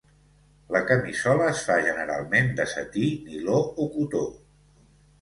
La camisola es fa generalment de setí, niló o cotó.